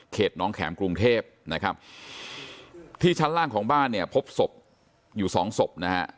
น้องแข็มกรุงเทพนะครับที่ชั้นล่างของบ้านเนี่ยพบศพอยู่สองศพนะฮะ